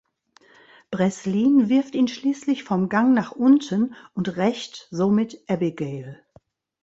Breslin wirft ihn schließlich vom Gang nach unten und rächt somit Abigail.